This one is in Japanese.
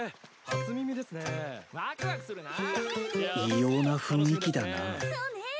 異様な雰囲気だな。